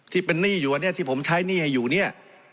ที่เป็นหนี้อยู่อันนี้ที่ผมใช้หนี้ให้อยู่เนี่ย